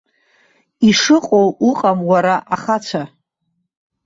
Ишыҟоу уҟам уара ахацәа.